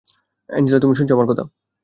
Angela, তুমি শুনছ আমার কথা?